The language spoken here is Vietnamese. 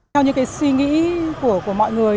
theo những suy nghĩ của mọi người